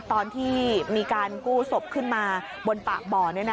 ตอนที่มีการกู้ศพขึ้นมาบนปากบ่อ